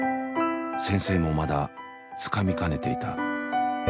先生もまだつかみかねていた。